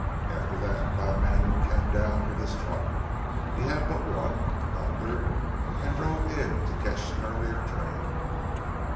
After that Don Manuel came down with his trunk he had but one, doctor, and drove in to catch an earlier train."